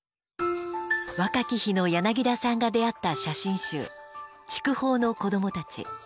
若き日の柳田さんが出会った写真集「筑豊のこどもたち」。